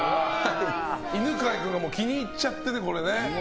犬飼君が気に入っちゃってね、これね。